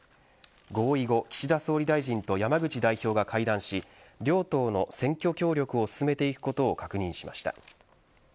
合意後、岸田総理大臣と山口代表が会談し両党の選挙協力を進めていくことを確認しました。